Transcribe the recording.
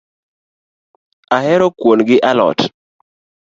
Ahero kuon gi alot